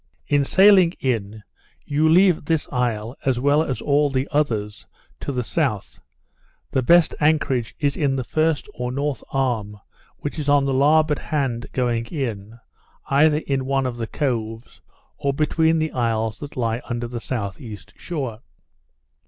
In sailing in you leave this isle as well as all the others to the south. The best anchorage is in the first or north arm, which is on the larboard hand going in, either in one of the coves, or behind the isles that lie under the south east shore.